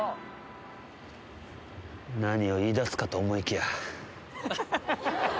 何を言いだすかと思いきや。